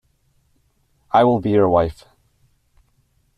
I will be your wife.